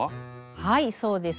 はいそうです。